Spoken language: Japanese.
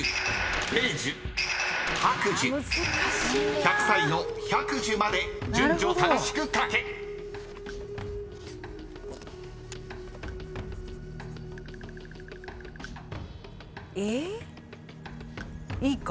［１００歳の百寿まで順序正しく書け］えっ？